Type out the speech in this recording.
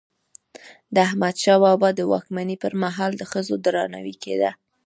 د احمدشاه بابا د واکمني پر مهال د ښځو درناوی کيده.